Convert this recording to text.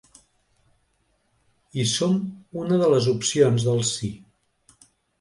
I som una de les opcions del sí.